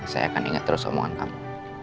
saya akan ingat terus omongan kamu